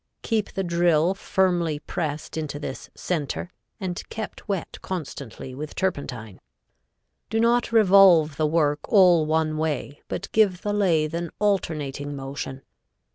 Keep the drill firmly pressed into this center and kept wet constantly with turpentine. Do not revolve the work all one way, but give the lathe an alternating motion.